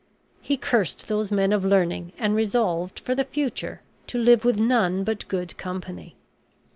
He cursed those men of learning, and resolved for the future to live with none but good company.